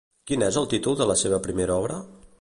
Quin és el títol de la seva primera obra?